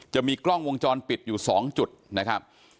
จะมีกล้องวงจรปิดอยู่๒จุดนะครับ